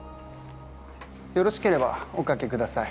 ・よろしければおかけください。